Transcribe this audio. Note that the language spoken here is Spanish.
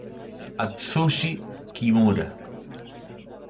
Atsushi Kimura